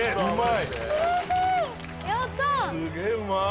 うまい！